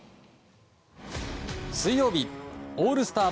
水曜日、オールスター